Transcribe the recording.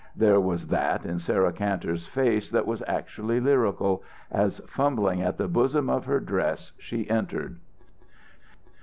There was that in Sarah Kantor's face that was actually lyrical, as, fumbling at the bosom of her dress, she entered.